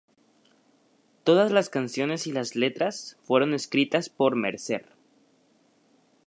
Todas las canciones y las letras fueron escritas por Mercer.